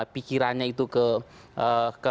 pikirannya itu ke